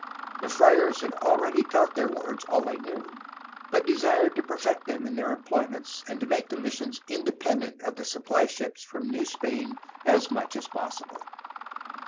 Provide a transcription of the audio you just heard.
The friars had al 374 A HISTORY OF CALIFORNIA ready taught their wards all they knew, but desired to perfect them in their employments and make the missions inde pendent of the supply ships from New Spain as much as possible.